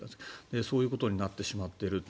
そういうことになってしまっていると。